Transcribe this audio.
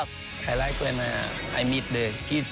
ฉันชอบเมื่อเจอกับคนที่เกี่ยวกัน